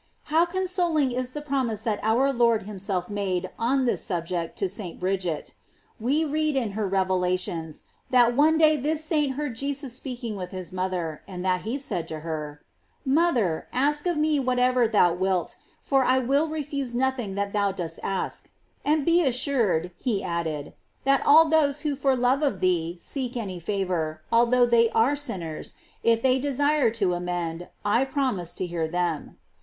* How consoling is the promise that our Lord himself made on this subject to St. Bridget. We read in her revelations, that one day this saint heard Jesus speaking with his mother, and that he said to her: "Mother, ask of me what ever thou wilt, for I will refuse nothing that thou dost ask;f and be assured," he added, "that all those who for love of thee seek any favor, although they are sinners, if they desire to amend. I promise to hear them."!